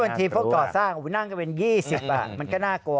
บางทีพวกก่อสร้างนั่งก็เป็น๒๐อะมันก็น่ากลัว